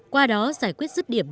qua đó giải quyết dứt điểm